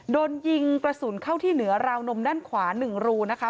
โดนยิงกระสุนเข้าที่เหนือราวนมด้านขวา๑รูนะคะ